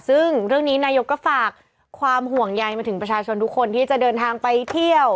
ซึ่งเรื่องนี้นายกก็ฝากความห่วงใยมาถึงประชาชนทุกคนที่จะเดินทางไปเที่ยว